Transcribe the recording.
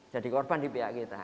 jadi korban di pihak kita